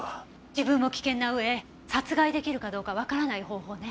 自分も危険な上殺害出来るかどうかわからない方法ね。